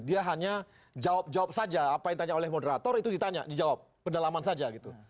dia hanya jawab jawab saja apa yang ditanya oleh moderator itu ditanya dijawab pedalaman saja gitu